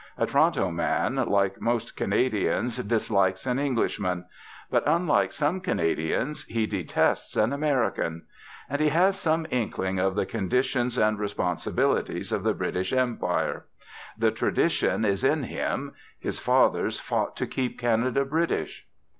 A Toronto man, like most Canadians, dislikes an Englishman; but, unlike some Canadians, he detests an American. And he has some inkling of the conditions and responsibilities of the British Empire. The tradition is in him. His fathers fought to keep Canada British.